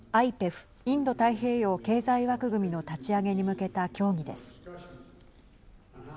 ＩＰＥＦ＝インド太平洋経済枠組みの立ち上げに向けた協議です。